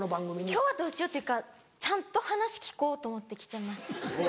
今日はどうしようっていうかちゃんと話聞こうと思って来てます。